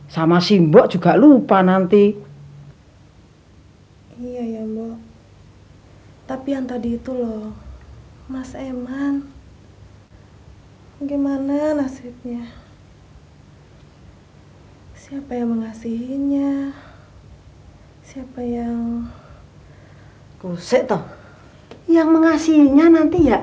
sama si mbok juga lupa ya